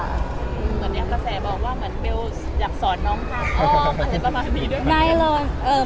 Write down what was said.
อืมตอนนี้ครับตาแสบอกว่าเหมือนเบลอยากสอนน้องค่ะอ้ออาจจะประมาณนี้ด้วย